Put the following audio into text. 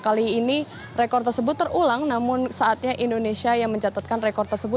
kali ini rekor tersebut terulang namun saatnya indonesia yang mencatatkan rekor tersebut